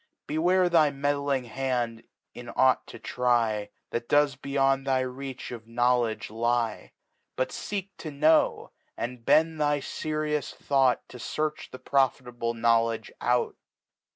.Beware thy meddling Hand in ought to try. That does beyond thy reach of Knowledge lie ; But feek to kno^, andbetui thy ferious Thought To fearch the profitable Knowledge out.